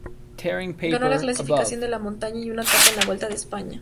Ganó la clasificación de la montaña y una etapa en la Vuelta a España.